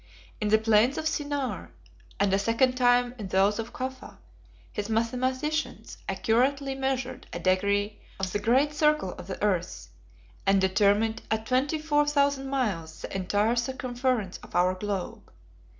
In the plains of Sinaar, and a second time in those of Cufa, his mathematicians accurately measured a degree of the great circle of the earth, and determined at twenty four thousand miles the entire circumference of our globe.